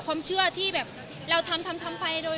ความเชื่อที่แบบเราทำทำไปโดย